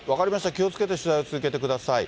気をつけて取材を続けてください。